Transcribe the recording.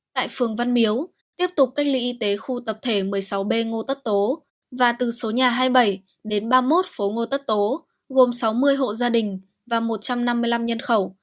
tại phường văn miếu tiếp tục cách ly y tế khu tập thể một mươi sáu b ngô tất tố và từ số nhà hai mươi bảy đến ba mươi một phố ngô tất tố gồm sáu mươi hộ gia đình và một trăm năm mươi năm nhân khẩu